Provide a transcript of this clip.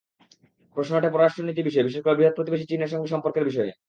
প্রশ্ন ওঠে পররাষ্ট্রনীতি বিষয়ে, বিশেষ করে বৃহৎ প্রতিবেশী চীনের সঙ্গে সম্পর্কের বিষয়ে।